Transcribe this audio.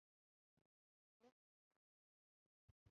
لم يفرن.